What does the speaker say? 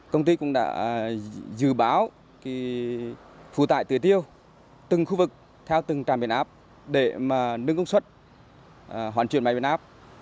công ty cũng đã dự báo phủ tại tưới tiêu từng khu vực theo từng trạm biện áp